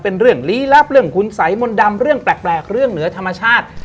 เรื่องลี้ลับเรื่องคุณสัยมนต์ดำเรื่องแปลกเรื่องเหนือธรรมชาติ